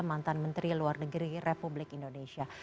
mantan menteri luar negeri republik indonesia